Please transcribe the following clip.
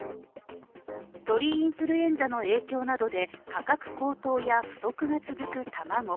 鳥インフルエンザの影響などで価格高騰や不足が続く卵。